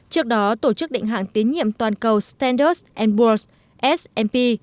trước đó tổ chức định hạng tín nhiệm toàn cầu standards and boards smp